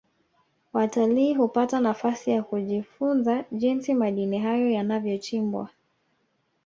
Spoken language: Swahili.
watalii hupata nafasi ya kujifunza jinsi madini hayo yanavyochimbwa